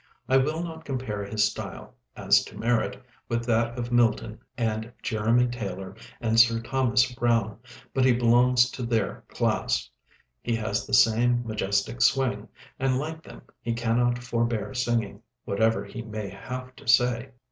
I will not compare his style, as to merit, with that of Milton and Jeremy Taylor and Sir Thomas Browne, but he belongs to their class; he has the same majestic swing, and like them he cannot forbear singing, whatever he may have to say.